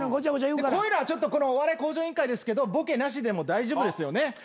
こういうのは『お笑い向上委員会』ですけどボケなしでも大丈夫ですよね？